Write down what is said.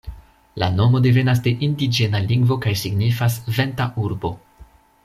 La nomo devenas de indiĝena lingvo kaj signifas ""venta urbo"".